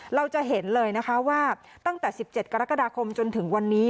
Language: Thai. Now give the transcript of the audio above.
เราจะเห็นเลยนะคะว่าตั้งแต่๑๗กรกฎาคมจนถึงวันนี้